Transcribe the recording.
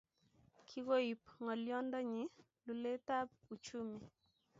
Kikoib ngolyondoni luletap uchumi